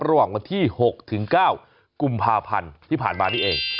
ระหว่างวันที่๖ถึง๙กุมภาพันธ์ที่ผ่านมานี่เอง